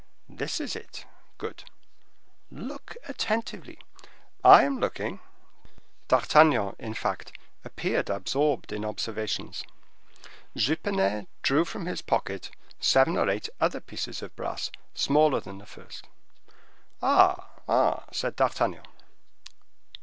"This is it." "Good." "Look attentively." "I am looking." D'Artagnan, in fact, appeared absorbed in observations. Jupenet drew from his pocket seven or eight other pieces of brass smaller than the first. "Ah, ah," said D'Artagnan.